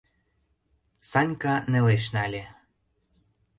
— Санька нелеш нале.